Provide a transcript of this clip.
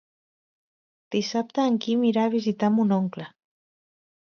Dissabte en Quim irà a visitar mon oncle.